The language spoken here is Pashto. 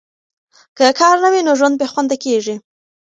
که کار نه وي، نو ژوند بې خونده کیږي.